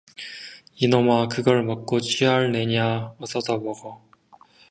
이놈아, 그걸 먹고 취할 내냐, 어서 더 먹어.